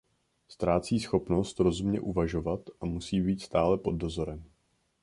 Ztrácí schopnost rozumně uvažovat a musí být stále pod dozorem.